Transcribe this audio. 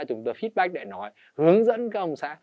chúng tôi feedback để nói hướng dẫn các ông xã